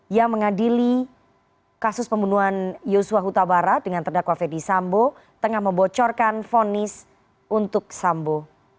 yang mengadili kasus pembunuhan yusuf hutabara dengan terdakwa fedy sambo tengah membocorkan fonis untuk sambo